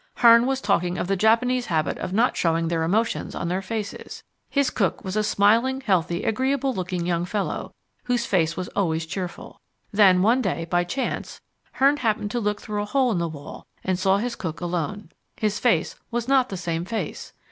Hearn was talking of the Japanese habit of not showing their emotions on their faces. His cook was a smiling, healthy, agreeable looking young fellow whose face was always cheerful. Then one day, by chance, Hearn happened to look through a hole in the wall and saw his cook alone. His face was not the same face.